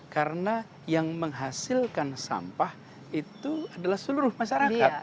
karena yang menghasilkan sampah itu adalah seluruh masyarakat